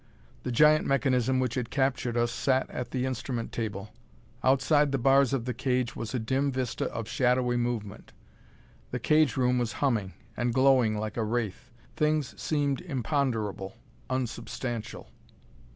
The giant mechanism which had captured us sat at the instrument table. Outside the bars of the cage was a dim vista of shadowy movement. The cage room was humming, and glowing like a wraith; things seemed imponderable, unsubstantial.